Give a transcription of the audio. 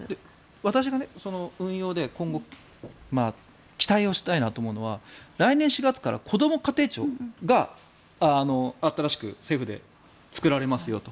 私が運用で今後、期待したいと思うのは来年４月から、こども家庭庁が新しく政府で作られますよと。